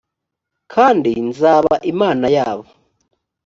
kandi nzaba imana yabo